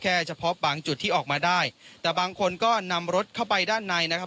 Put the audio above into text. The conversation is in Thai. เฉพาะบางจุดที่ออกมาได้แต่บางคนก็นำรถเข้าไปด้านในนะครับ